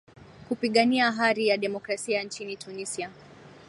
kupigania hari ya demokrasia nchini tunisia